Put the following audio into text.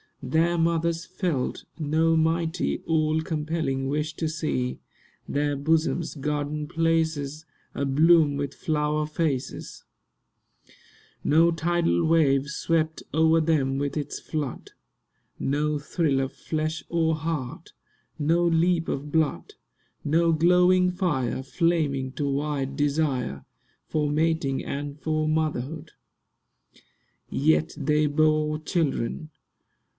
Their mothers felt No mighty, all compelling wish to see Their bosoms garden places Abloom with flower faces; No tidal wave swept o'er them with its flood; No thrill of flesh or heart; no leap of blood; No glowing fire, flaming to white desire For mating and for motherhood: Yet they bore children.